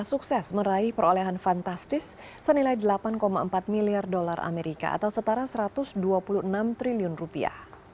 sukses meraih perolehan fantastis senilai delapan empat miliar dolar amerika atau setara satu ratus dua puluh enam triliun rupiah